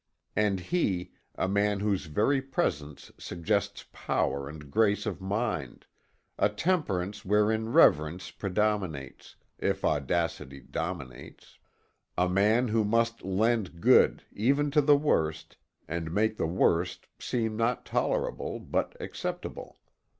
And he, a man whose very presence suggests power and grace of mind; a temperament wherein reverence predominates, if audacity dominates; a man who must lend good, even to the worst, and make the worst seem not tolerable, but acceptable.